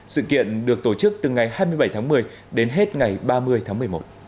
sự kiện được tổ chức từ ngày hai mươi bảy tháng một mươi đến hết ngày ba mươi tháng một mươi một